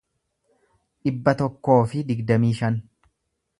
dhibba tokkoo fi digdamii shan